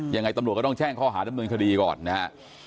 ยังไงตำรวจก็ต้องแจ้งข้อหาดำเนินคดีก่อนนะฮะ